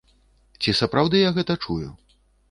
Ці сапраўды я гэта чую?